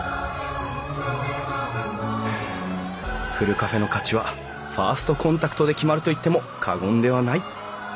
カフェの価値はファーストコンタクトで決まると言っても過言ではない。